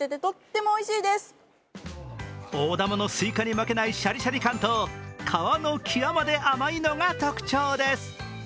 大玉のすいかに負けないシャリシャリ感と皮の際まで甘いのが特徴です。